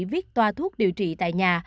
viết toa thuốc điều trị tại nhà